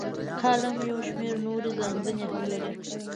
کالم یو شمیر نورې ځانګړنې هم لري.